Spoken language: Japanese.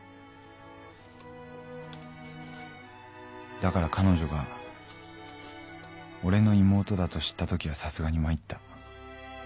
だから彼女が俺の妹だと知ったときはさすがに参った」